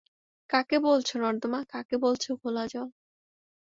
কাকে বলছ নর্দমা, কাকে বলছ ঘোলা জল?